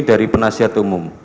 dari penasihat umum